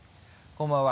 こんばんは。